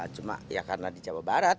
cuma ya karena di jawa barat